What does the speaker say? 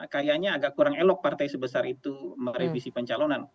kayaknya agak kurang elok partai sebesar itu merevisi pencalonan